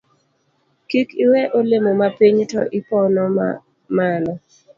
Kik iwe olemo mapiny to iponoma malo